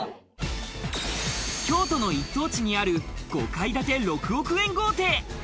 京都の一等地にある５階建て６億円豪邸。